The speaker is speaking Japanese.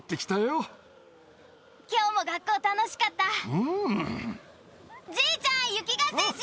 うん。